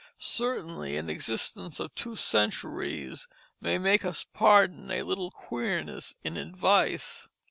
Certainly an existence of two centuries may make us pardon a little queerness in advice.